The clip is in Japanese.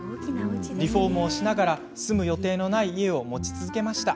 リフォームをしながら住む予定のない家を持ち続けました。